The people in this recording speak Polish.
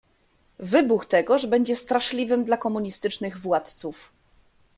"Wybuch tegoż będzie straszliwym dla komunistycznych władców."